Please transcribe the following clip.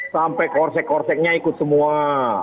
sampai korsek korseknya ikut semua